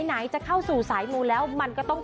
ไหนจะเข้าสู่สายมูแล้วมันก็ต้อง